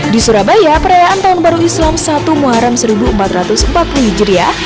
di surabaya perayaan tahun baru islam satu muharam seribu empat ratus empat puluh hijriah